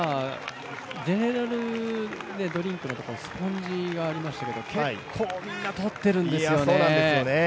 今、ドリンクのところスポドリがありましたけど結構、みんなとっているんですよね。